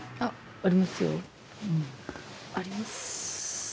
ありますよ。